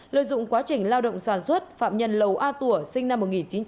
lợi dụng quá trình lao động sản xuất phạm nhân lầu a tủa sinh năm một nghìn chín trăm tám mươi